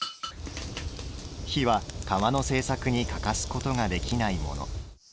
火は、釜の製作に欠かすことができないもの。